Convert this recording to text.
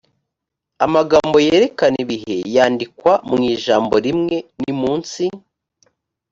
amagambo yerekana ibihe yandikwa mu ijambo rimwe nimunsi